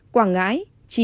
quảng ngãi chín